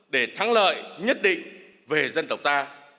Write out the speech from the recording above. để thắng lợi nhất định về dân tộc ta